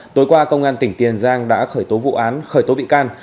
tối qua công an tỉnh tiền giang đã khởi tố vụ án khởi tố bị can